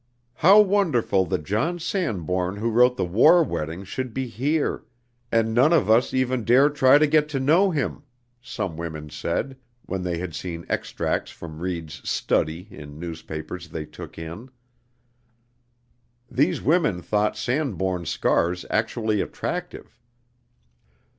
"How wonderful that that John Sanbourne who wrote 'The War Wedding' should be here, and none of us even dare try to get to know him!" some women said, when they had seen extracts from Reid's "study" in newspapers they took in. These women thought Sanbourne's scars actually attractive.